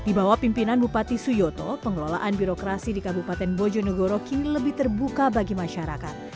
di bawah pimpinan bupati suyoto pengelolaan birokrasi di kabupaten bojonegoro kini lebih terbuka bagi masyarakat